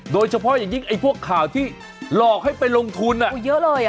โดยเฉพาะอย่างยิ่งไอ้พวกข่าวที่หลอกให้ไปลงทุนเยอะเลยอ่ะ